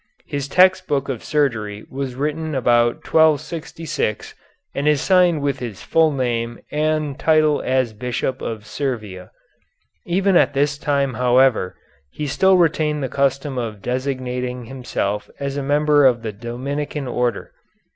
His text book of surgery was written about 1266 and is signed with his full name and title as Bishop of Cervia. Even at this time however, he still retained the custom of designating himself as a member of the Dominican Order.